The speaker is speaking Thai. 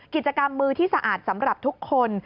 กิจกรรมมือที่สะอาดสำหรับทุกคน